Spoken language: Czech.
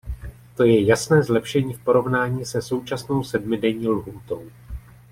To je jasné zlepšení v porovnání se současnou sedmidenní lhůtou.